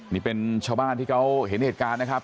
นี่เป็นชาวบ้านที่เขาเห็นเหตุการณ์นะครับ